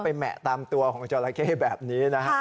ไปแหม้ตามตัวของกางุนแบบนี้นะ